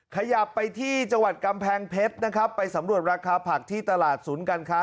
ขยับไปที่จังหวัดกำแพงเพชรนะครับไปสำรวจราคาผักที่ตลาดศูนย์การค้า